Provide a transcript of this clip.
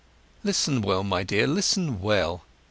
"Listen well, my dear, listen well!